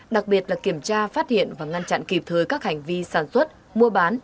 đặc biệt là kiểm tra phát hiện và ngăn chặn kịp thời các hành vi sản xuất mua bán